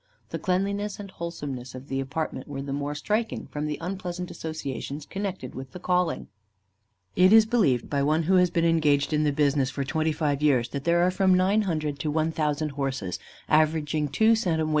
The cleanliness and wholesomeness of the apartment were the more striking from the unpleasant associations connected with the calling. "It is believed by one who has been engaged at the business for 25 years, that there are from 900 to 1,000 horses, averaging 2 cwt.